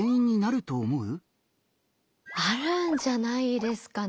あるんじゃないですかね。